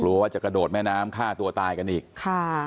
กลัวว่าจะกระดดแม่น้ำฆ่าตัวตายกันอีก